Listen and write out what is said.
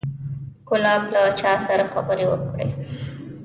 ګلاب له چا سره خبرې وکړې.